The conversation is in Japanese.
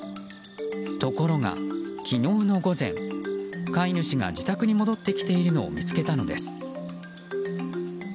ところが、昨日の午前飼い主が自宅に戻ってきているのを見つけたのです。